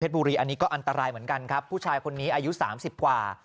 บุรีอันนี้ก็อันตรายเหมือนกันครับผู้ชายคนนี้อายุสามสิบกว่า